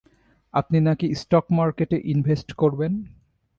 আপনি নাকি স্টক মার্কেটে ইনভেস্ট করবেন?